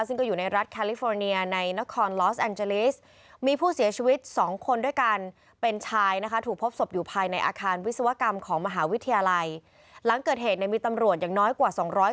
ซึ่งก็อยู่ในรัฐแคลิฟอร์เนียในนครลอสแองเจลีส